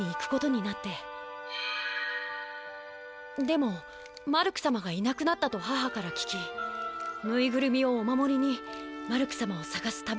でもマルク様がいなくなったと母から聞きヌイグルミをお守りにマルク様をさがす旅に出たのです。